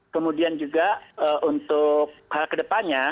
kemudian juga untuk hal kedepannya